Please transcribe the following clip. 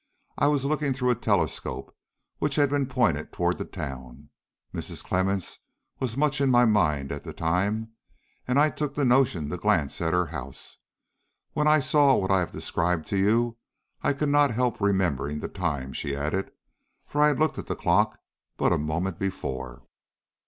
I was looking through a telescope, which had been pointed toward the town. Mrs. Clemmens was much in my mind at the time, and I took the notion to glance at her house, when I saw what I have described to you. I could not help remembering the time," she added, "for I had looked at the clock but a moment before."